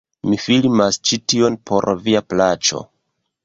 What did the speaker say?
Mi filmas ĉi tion por via plaĉo...